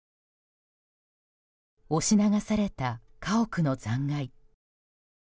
押し流された家屋の残骸。